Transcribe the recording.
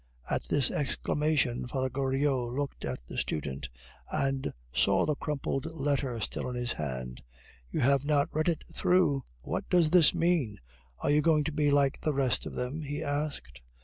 At this exclamation, Father Goriot looked at the student, and saw the crumpled letter still in his hand. "You have not read it through! What does this mean? Are you going to be like the rest of them?" he asked.